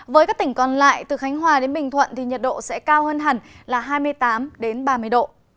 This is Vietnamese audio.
với các tỉnh còn lại từ khánh hòa đến bình thuận thì nhiệt độ sẽ cao hơn hẳn là hai mươi tám ba mươi độ